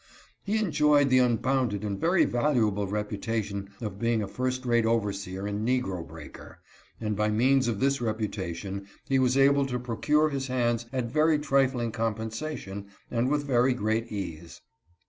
He enjoyed the unbounded and very valuable reputation of being a first rate overseer and negro breaker, and by means of this reputation he was able to procure his hands at very trifling compensa tion and with very great ease.